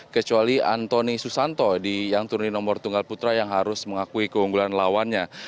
kecuali antoni susanto yang turun di nomor tunggal putra yang harus mengakui keunggulan lawannya